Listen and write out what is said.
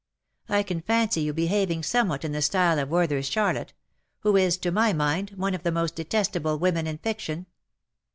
I can fancy you behaving somewhat in the style of Werther^s Charlotte — who is, to my mind, one of the most detestable women in fiction.